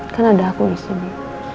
karena aku disini